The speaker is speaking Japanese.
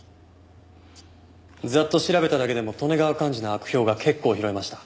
ざっと調べただけでも利根川寛二の悪評が結構拾えました。